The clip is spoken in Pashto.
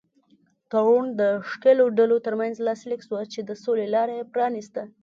تړون د ښکېلو ډلو تر منځ لاسلیک شوه چې د سولې لاره یې پرانیسته.